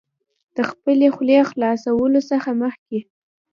د خپلې خولې خلاصولو څخه مخکې